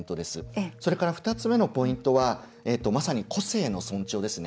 それから２つ目のポイントはまさに個性の尊重ですね。